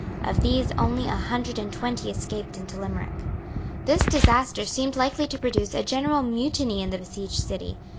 Of these only a hundred and twenty escaped into Limerick. This disaster seemed likely to produce a general mutiny in the besieged city.